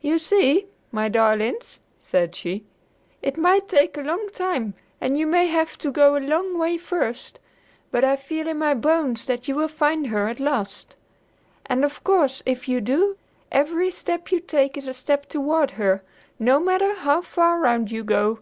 "You see, my darlings," said she, "it may take a long time and you may have to go a long way first, but I feel in my bones that you will find her at last. And of course, if you do, every step you take is a step toward her, no matter how far round you go."